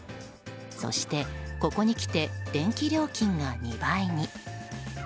そして、ここにきて電気料金が２倍に。